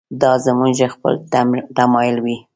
دا زموږ خپل تمایل وي.